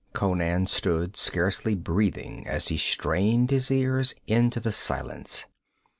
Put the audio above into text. Conan stood scarcely breathing as he strained his ears into the silence.